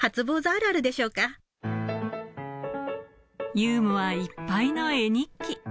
ユーモアいっぱいの絵日記。